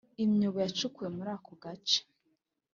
imyobo yacukuwe muri ako gace